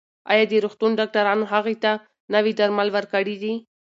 ایا د روغتون ډاکټرانو هغې ته نوي درمل ورکړي دي؟